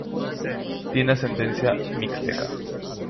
Tiene ascendencia mixteca.